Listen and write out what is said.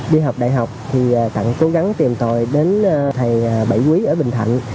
đi học đại học thì tặng cố gắng tìm tòi đến thầy bảy quý ở bình thạnh